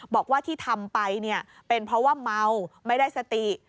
บอกว่าที่ทำไปเนี่ยเป็นเพราะว่าเมาไม่ได้สติ